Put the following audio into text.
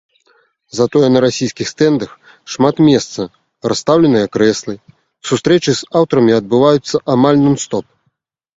Затое на расійскіх стэндах шмат месца, расстаўленыя крэслы, сустрэчы з аўтарамі адбываюцца амаль нон-стоп.